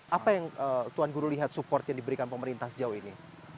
apa yang tuan guru lihat support yang diberikan pemerintah sejauh ini